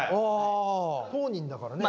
当人だからね。